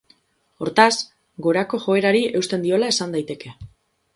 Hortaz, gorako joerari eusten diola esan daiteke.